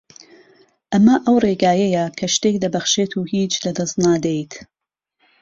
ئەمە ئەو ڕێگایەیە کە شتێک دەبەخشیت و هیچ لەدەست نادەیت